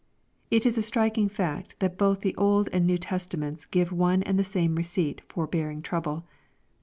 It is a striking fact, that both the Old and New Testa ments give one and the same receipt for bearing trouble.